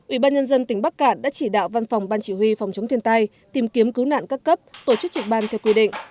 ủy ban nhân dân tỉnh bắc cạn đã chỉ đạo văn phòng ban chỉ huy phòng chống thiên tai tìm kiếm cứu nạn các cấp tổ chức trực ban theo quy định